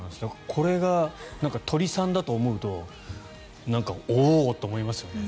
これが鳥さんだと思うとなんか、おおと思いますよね。